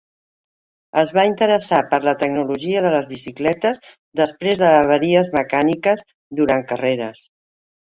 Es va interessar per la tecnologia de les bicicletes després de averies mecàniques durant carreres.